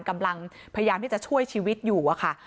กำลังพยายามที่จะช่วยชีวิตอยู่อะค่ะ